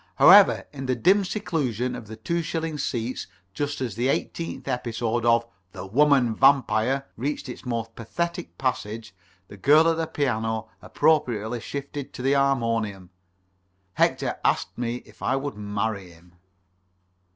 However, in the dim seclusion of the two shilling seats just as the eighteenth episode of "The Woman Vampire" reached its most pathetic passage, and the girl at the piano appropriately shifted to the harmonium, Hector asked me if I would marry him.